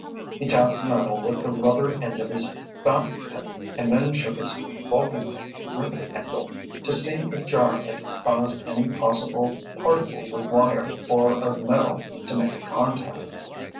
He tapped the metal with the rubber end of his fountain pan and then shook its vulcanite grip handle, to see if jarring it caused any possible particles of wire or of metal to make a contact.